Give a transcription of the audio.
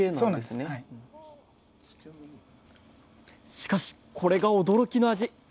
しかしこれが驚きの味！